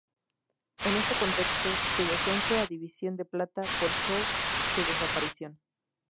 En ese contexto, su descenso a División de plata, forzó su desaparición.